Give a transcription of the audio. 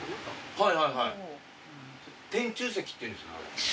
はいはいはい天柱石っていうんですか？